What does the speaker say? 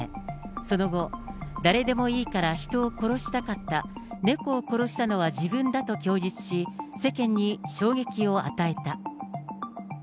その後、誰でもいいから人を殺したかった、猫を殺したのは自分だと供述し、世間に衝撃を与えた。